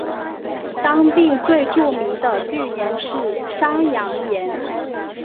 当地最著名的巨岩是山羊岩。